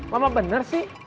mama bener sih